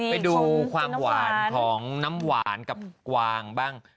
ไปดูความหวานของน้ำหวานกับกวางบ้าง